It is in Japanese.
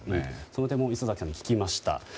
その点も礒崎さんに聞きました。